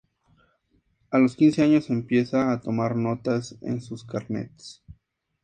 A los quince años empieza a tomar notas en sus carnets.